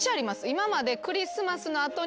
今まで。